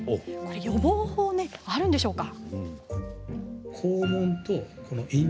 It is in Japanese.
予防法はあるんでしょうか？